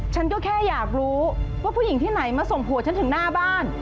ฉันก็แค่อยากรู้ว่าผู้หญิงที่ไหนมาส่งผัวฉันถึงหน้าบ้าน